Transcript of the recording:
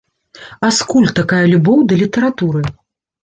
А скуль такая любоў да літаратуры?